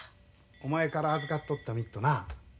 お前から預かっとったミットな。